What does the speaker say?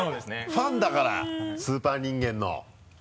ファンだからスーパー人間の。